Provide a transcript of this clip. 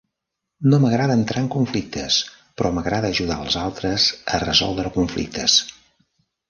No m'agrada entrar en conflictes, però m'agrada ajudar els altres a resoldre conflictes.